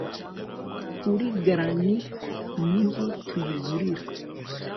kuri grannies niho tuyigurira